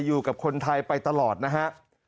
อยู่กับคนไทยไปตลอดนะฮะ